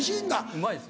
うまいです。